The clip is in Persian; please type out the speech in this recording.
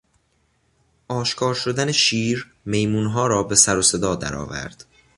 اشکار شدن شیر، میمونها را به سر و صدا درآورد.